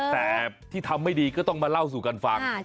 แต่ที่ทำไม่ดีก็ต้องมาเล่าสู่กันฟัง